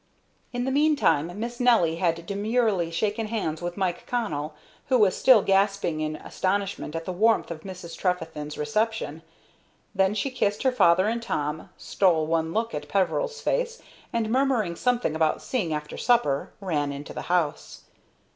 In the meantime Miss Nelly had demurely shaken hands with Mike Connell, who was still gasping in astonishment at the warmth of Mrs. Trefethen's reception. Then she kissed her father and Tom, stole one look at Peveril's face, and, murmuring something about seeing after supper, ran into the house.